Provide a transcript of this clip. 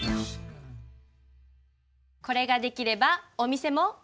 これができればお店も。